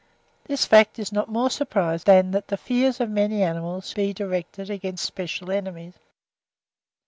This fact is not more surprising than that the fears of many animals should be directed against special enemies.